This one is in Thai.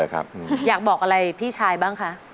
เลยครับอยากบอกอะไรพี่ชายบ้างค่ะ